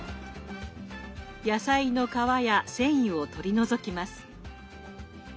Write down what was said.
野菜の皮や繊維を取り除きます。